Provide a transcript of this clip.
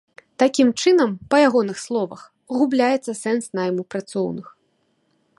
Такім чынам, па ягоных словах, губляецца сэнс найму працоўных.